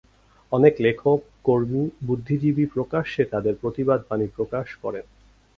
অনেক লেখক, কর্মী বুদ্ধিজীবী প্রকাশ্যে তাদের প্রতিবাদ বাণী প্রকাশ করেন।